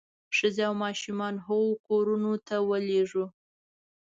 ښځې او ماشومان هغو کورونو ته ولېږو.